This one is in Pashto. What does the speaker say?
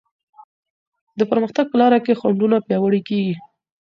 د پرمختګ په لاره کي خنډونه پیاوړې کيږي.